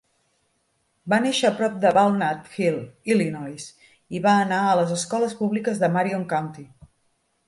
Va néixer a prop de Walnut Hill, Illinois, i va anar a les escoles públiques de Marion County.